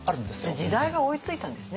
じゃあ時代が追いついたんですね。